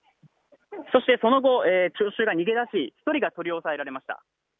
そしてその後聴衆が逃げ出し１人が取り押さえられました。